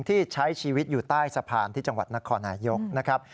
ที่ใช้ชีวิตอยู่ใต้สะพานที่จังหวัดนครนายกนะครับ